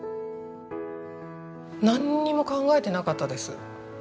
なんにも考えてなかったです。